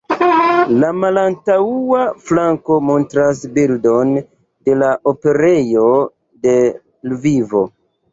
La malantaŭa flanko montras bildon de la operejo de Lvivo.